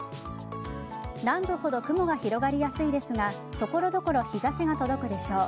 南部ほど雲が広がりやすいですが所々、日差しが届くでしょう。